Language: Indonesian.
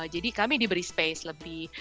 jadi kami diberi space lebih